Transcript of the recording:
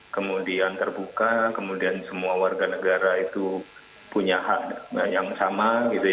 kemudian terbuka kemudian semua warga negara itu punya hak yang sama